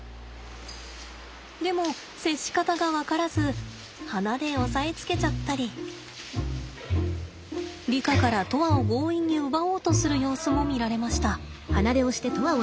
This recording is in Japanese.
でも接し方が分からず鼻で押さえつけちゃったりリカから砥愛を強引に奪おうとする様子も見られました。